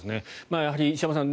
やはり石山さん